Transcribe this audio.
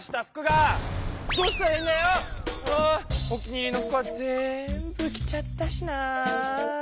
お気に入りの服は全部着ちゃったしな。